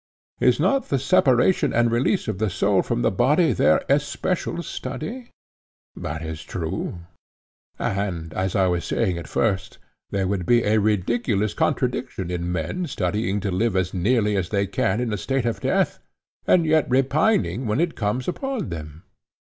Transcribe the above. Is not the separation and release of the soul from the body their especial study? That is true. And, as I was saying at first, there would be a ridiculous contradiction in men studying to live as nearly as they can in a state of death, and yet repining when it comes upon them.